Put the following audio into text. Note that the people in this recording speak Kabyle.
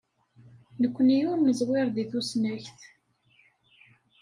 Nekkni ur neẓwir deg tusnakt.